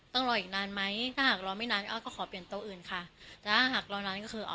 ต้องรออีกนานไหมถ้าหากรอไม่นานอ้อยก็ขอเปลี่ยนโต๊ะอื่นค่ะแต่ถ้าหากรอนานก็คือเอา